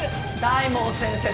大門先生。